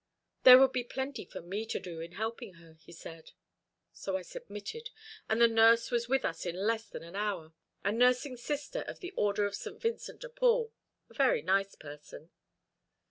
There would be plenty for me to do in helping her, he said. So I submitted, and the nurse was with us in less than an hour a nursing sister of the order of St. Vincent de Paul, a very nice person."